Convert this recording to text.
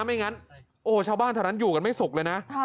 ไม่งั้นโอ้โหชาวบ้านแถวนั้นอยู่กันไม่สุขเลยนะ